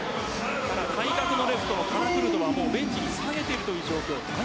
開幕レフトのカラクルトはベンチに下がっているという状況。